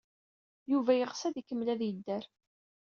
Yuba yeɣs ad ikemmel ad yedder.